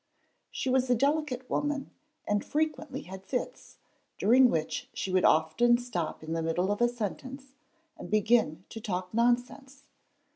She was a delicate woman, and frequently had fits, during which she would often stop in the middle of a sentence, and begin to talk nonsense.